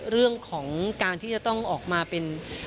เรื่องของการที่จะต้องออกมาเป็น